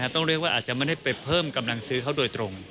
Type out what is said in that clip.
ต้องเรียกว่าอาจจะไม่ได้ไปเพิ่มกำลังซื้อเขาโดยตรง